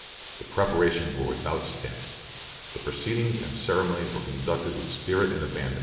The preparations were without stint. The proceedings and ceremonies were conducted with spirit and abandon.